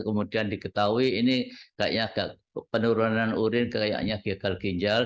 kemudian diketahui ini kayaknya agak penurunan urin kayaknya gagal ginjal